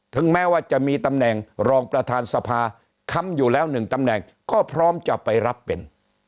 แม้ว่าจะมีตำแหน่งรองประธานสภาค้ำอยู่แล้วหนึ่งตำแหน่งก็พร้อมจะไปรับเป็น